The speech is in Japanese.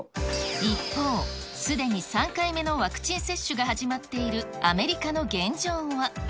一方、すでに３回目のワクチン接種が始まっているアメリカの現状は。